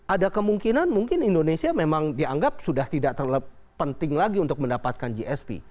ada kemungkinan mungkin indonesia memang dianggap sudah tidak terlalu penting lagi untuk mendapatkan gsp